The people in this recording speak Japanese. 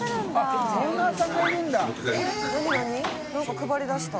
何か配りだした。